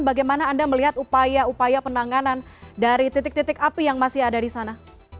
bagaimana anda melihat upaya upaya penanganan dari titik titik api yang masih ada di sana